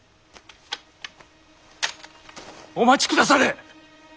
お待ちくだされ！